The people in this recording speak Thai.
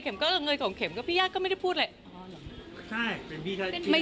เข็มก็เอาไงของเข็มก็พี่ยาก็ไม่ได้พูดเลย